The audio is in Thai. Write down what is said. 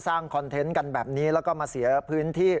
คอนเทนต์กันแบบนี้แล้วก็มาเสียพื้นที่